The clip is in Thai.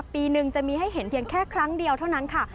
ปีหนึ่งจะมีให้เห็นเพียงแค่ครั้งเดียวเท่านั้นค่ะ